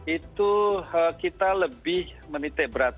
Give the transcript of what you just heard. itu kita lebih menitik berat